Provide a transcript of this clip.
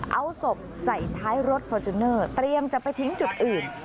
เอาศพใส่ท้ายรถฟอร์จูเนอร์เตรียมจะไปทิ้งจุดอื่น